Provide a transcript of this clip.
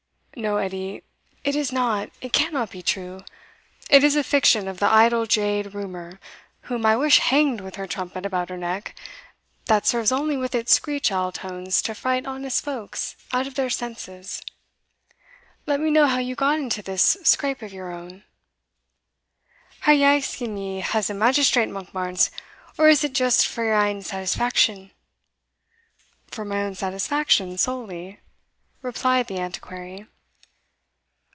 No, Edie, it is not, and cannot be true it is a fiction of the idle jade Rumour, whom I wish hanged with her trumpet about her neck, that serves only with its screech owl tones to fright honest folks out of their senses. Let me know how you got into this scrape of your own." "Are ye axing me as a magistrate, Monkbarns, or is it just for your ain satisfaction!" "For my own satisfaction solely," replied the Antiquary.